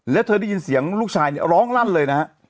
แล้วเธอได้ยินเสียงลูกชายเนี่ยร้องลั่นเลยนะฮะ